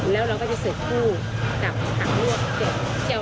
แล้วเราก็จะเสื้อผู้กับผักลวกเจ๋ว